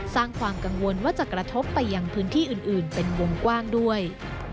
สร้างความกังวลว่าจะกระทบไปยังพื้นที่อื่นเป็นวงกว้างด้วย